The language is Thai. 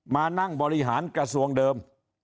มานั่งบริหารกระทรวงเดิม